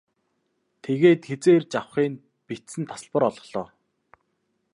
Тэгээд хэзээ ирж авахы нь бичсэн тасалбар олголоо.